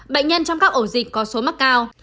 bệnh nhân trong các ổ dịch có số mắc cao